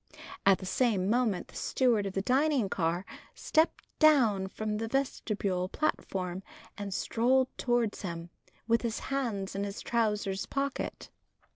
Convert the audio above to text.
At the same moment the steward of the dining car stepped down from the vestibuled platform, and strolled towards him, with his hands in his trousers' pockets.